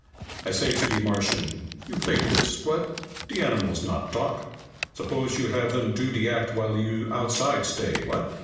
I say to de Martian, 'You fake this, what? De animals not talk. Suppose you have them do de act while you outside stay, what?'